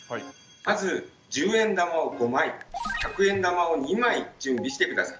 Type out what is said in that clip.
まず１０円玉を５枚１００円玉を２枚準備して下さい。